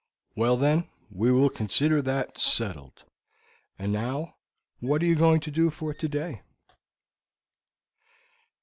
"Well, then, we will consider that settled. And now, what are you going to do for today?"